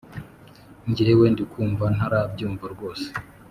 Njyewe ndikumva ntarabyumva rwose